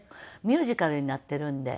ミュージカルになっているんで。